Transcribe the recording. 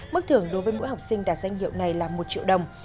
mức thưởng đối với mỗi học sinh đạt danh hiệu này là một triệu đồng